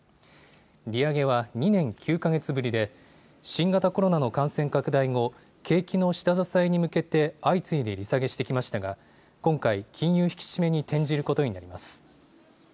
利上げは２年９か月ぶりで、新型コロナの感染拡大後、景気の下支えに向けて相次いで利下げしてきましたが、今回、金融引き締めに転じることになります。